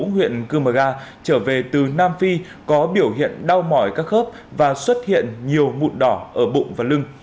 huyện cư mờ ga trở về từ nam phi có biểu hiện đau mỏi các khớp và xuất hiện nhiều mụn đỏ ở bụng và lưng